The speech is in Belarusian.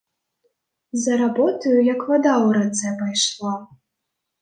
За работаю, як вада ў рацэ, пайшла.